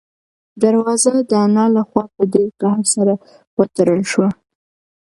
دروازه د انا له خوا په ډېر قهر سره وتړل شوه.